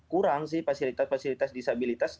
kurang sih fasilitas fasilitas disabilitas